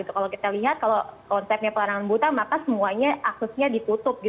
kalau kita lihat kalau konsepnya pelarangan buta maka semuanya aksesnya ditutup